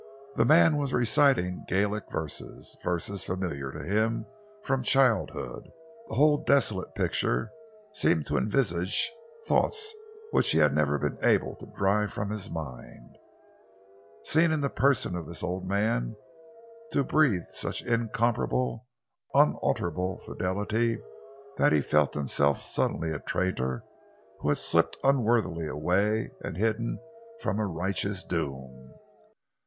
The man was reciting Gaelic verses, verses familiar to him from childhood. The whole desolate picture seemed to envisage thoughts which he had never been able to drive from his mind, seemed in the person of this old man to breathe such incomparable, unalterable fidelity that he felt himself suddenly a traitor who had slipped unworthily away and hidden from a righteous doom.